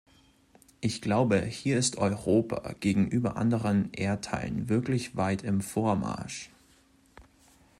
Ich glaube, hier ist Europa gegenüber anderen Erdteilen wirklich weit im Vormarsch.